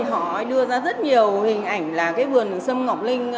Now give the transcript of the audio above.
họ đã đưa ra rất nhiều hình ảnh là vườn sâm ngọc linh